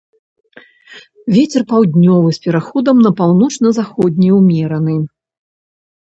Вецер паўднёвы з пераходам на паўночна-заходні ўмераны.